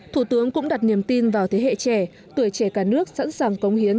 thủ tướng cũng đặt niềm tin vào thế hệ trẻ tuổi trẻ cả nước sẵn sàng công hiến